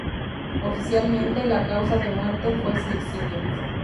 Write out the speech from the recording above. Oficialmente, la causa de muerte fue suicidio.